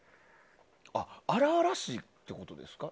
荒々しいってことですか？